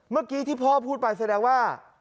เมื่อกี้ที่พ่อพูดไปแสดงว่า